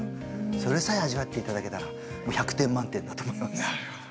それさえ味わっていただけたらもう１００点満点だと思います。